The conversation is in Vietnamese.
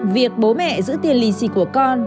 việc bố mẹ giữ tiền lì xì của con